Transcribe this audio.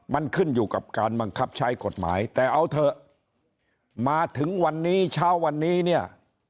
มันขึ้นอยู่กับการบังคับใช้กฎหมายแต่เอาเถอะมาถึงวันนี้เช้าวันนี้เนี่ย